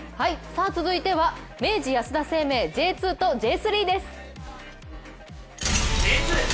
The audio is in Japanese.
続いては明治安田生命Ｊ２とＪ３です。